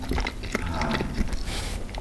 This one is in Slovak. Háj